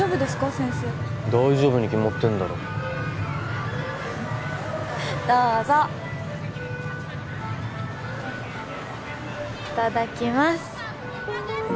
先生大丈夫に決まってんだろどうぞいただきます